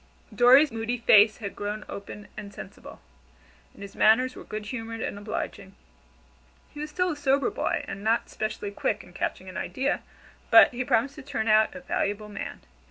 Dorry's moody face had grown open and sensible, and his manners were good humored and obliging. He was still a sober boy, and not specially quick in catching an idea, but he promised to turn out a valuable man.